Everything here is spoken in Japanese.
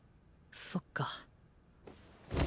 そっか。